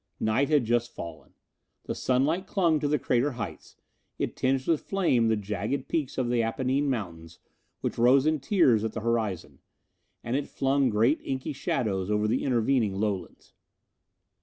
Night had just fallen. The sunlight clung to the crater heights; it tinged with flame the jagged peaks of the Apennine Mountains which rose in tiers at the horizon; and it flung great inky shadows over the intervening lowlands.